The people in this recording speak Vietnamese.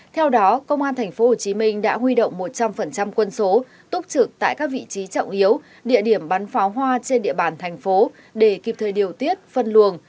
theo đó công an tp hcm đã huy động một trăm linh quân số túc trực tại các vị trí trọng yếu địa điểm bắn pháo hoa trên địa bàn thành phố để kịp thời điều tiết phân luồng